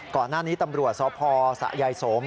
ก่อนหน้านี้ตำรวจสพสะยายสม